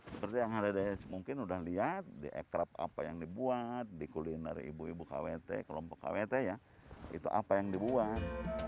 seperti yang ada mungkin udah lihat di ekrab apa yang dibuat di kuliner ibu ibu kwt kelompok kwt ya itu apa yang dibuat